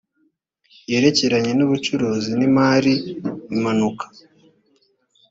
yerekeranye n ubucuruzi n imari impanuka